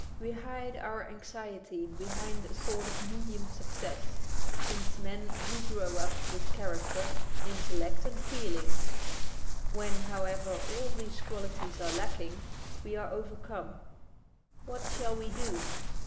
We hide our anxiety behind a sort of medium success, since men do grow up with character, intellect, and feelings. When, however, all these qualities are lacking, we are overcome. What shall we do?